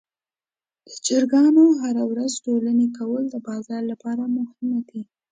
د چرګانو هګۍ هره ورځ ټولې کول د بازار لپاره مهم دي.